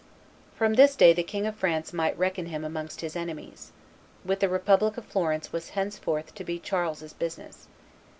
From this day the King of France might reckon him amongst his enemies. With the republic of Florence was henceforth to be Charles's business.